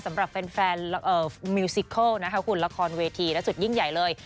สำหรับแฟนมิวซิเคิลนะคะคุณละครเวทีและสุดยิ่งใหญ่เลย